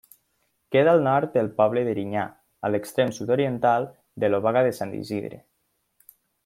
Queda al nord del poble d'Erinyà, a l'extrem sud-oriental de l'Obaga de Sant Isidre.